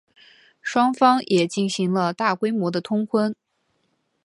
双方也进行了大规模的通婚。